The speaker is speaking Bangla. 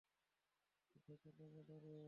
উঠে চলে গেলে যে?